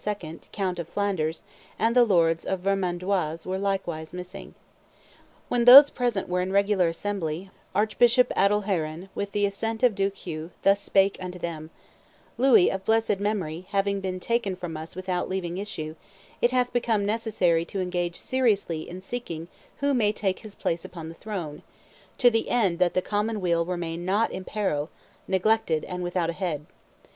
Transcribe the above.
count of Flanders, and the lords of Vermandois were likewise missing. "When those present were in regular assembly, Archbishop Adalheron, with the assent of Duke Hugh, thus spake unto them: 'Louis, of blessed memory, having been taken from us without leaving issue, it hath become necessary to engage seriously in seeking who may take his place upon the throne, to the end that the common weal remain not in peril, neglected and without a head.